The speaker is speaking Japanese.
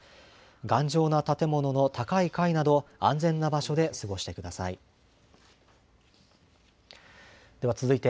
頑丈な建物の高い階など、安全な場所で過ごしてください。